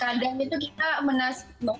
kadang itu kita menasih